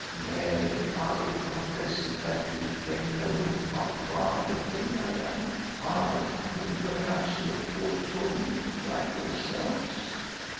Nay, I will confess it that you may know how vile a thing I am I whom perhaps you have thought holy like yourselves.